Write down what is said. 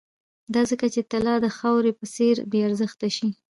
دا ځکه چې طلا د خاورې په څېر بې ارزښته شي